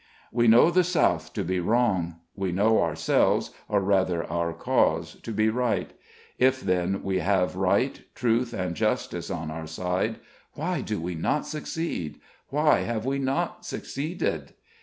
We know the South to be wrong; we know ourselves, or rather, our cause, to be right. If, then, we have right, truth, and justice on our side, why do we not succeed why have we not succeeded?